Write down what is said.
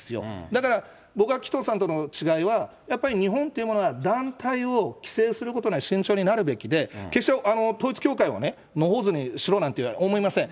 だから、僕は紀藤さんとの違いは、やっぱり、日本というものは団体を規制することには慎重になるべきで、決して、統一教会を野放図にしろとは思いません。